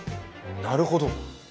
なるほど。